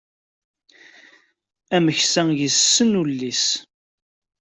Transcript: Ameksa yessen ulli-s.